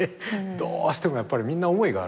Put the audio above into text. どうしてもやっぱりみんな思いがあるから。